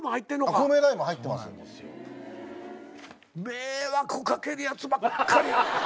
迷惑かけるやつばっかり。